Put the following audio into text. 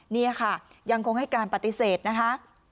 นี่ค่ะยังคงให้การปฏิเสธนะคะ